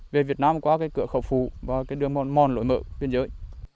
về việt nam qua cửa khẩu phủ và đường mòn mòn lối mở biên giới